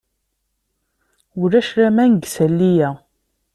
Ulac laman deg isalli-a.